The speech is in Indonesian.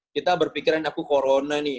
kita berpikiran aku corona nih